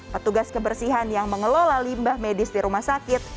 petugas kebersihan yang mengelola limbah medis di rumah sakit